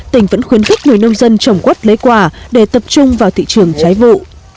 tỉnh vẫn khuyến khích người nông dân trồng quất lấy quả để tập trung vào thị trường trái vụ